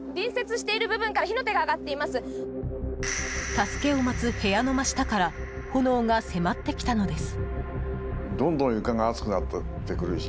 助けを待つ部屋の真下から炎が迫ってきたのです。